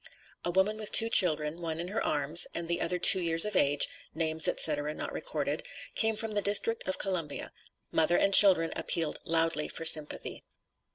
A woman with two children, one in her arms, and the other two years of age (names, etc., not recorded), came from the District of Columbia. Mother and children, appealed loudly for sympathy.